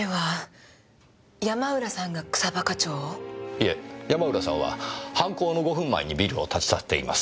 いえ山浦さんは犯行の５分前にビルを立ち去っています。